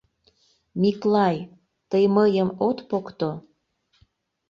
Миклай, тый мыйым от покто?..